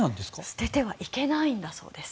捨ててはいけないそうです。